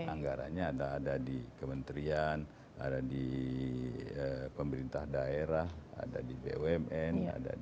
anggarannya ada di kementerian ada di pemerintah daerah ada di bumn